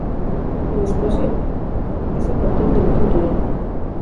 En Escocia, es a partir del quinto año.